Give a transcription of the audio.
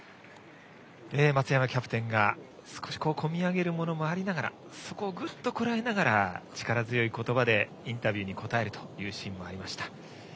松山キャプテンが少し込み上げるものもありながらそこをぐっとこらえながら力強い言葉でインタビューに答えるシーンもありました。